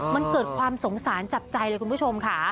มันเกิดความสงสารจับใจเลยคุณผู้ชมค่ะ